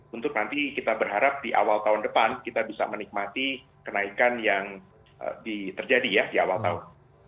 untuk nanti kita berharap di awal tahun depan kita bisa menikmati kenaikan yang terjadi ya di awal tahun